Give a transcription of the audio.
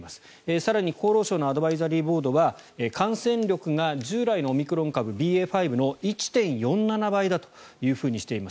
更に厚労省のアドバイザリーボードは感染力が従来のオミクロン株ＢＡ．５の１．４７倍だとしています。